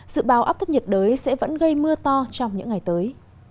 sự bào áp thấp nhiệt đới sẽ vẫn gây mưa to trong những ngày tới